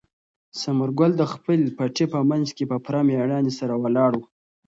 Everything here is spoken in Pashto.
ثمر ګل د خپل پټي په منځ کې په پوره مېړانې سره ولاړ و.